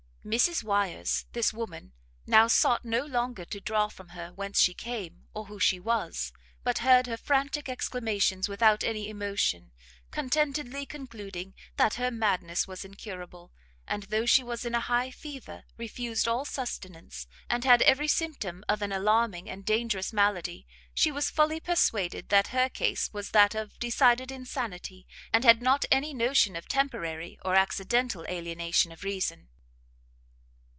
Mrs Wyers, this woman, now sought no longer to draw from her whence she came, or who she was, but heard her frantic exclamations without any emotion, contentedly concluding that her madness was incurable: and though she was in a high fever, refused all sustenance, and had every symptom of an alarming and dangerous malady, she was fully persuaded that her case was that of decided insanity, and had not any notion of temporary or accidental alienation of reason.